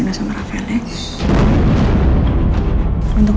itu mungkin tak cukup menurutku